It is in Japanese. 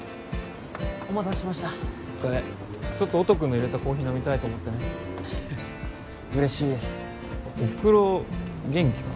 お待たせしましたお疲れちょっと音くんの入れたコーヒー飲みたいと思ってね嬉しいですおふくろ元気かな？